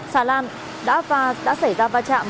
xà lan đã xảy ra va chạm